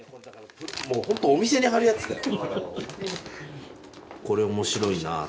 もう本当お店に貼るやつだよ。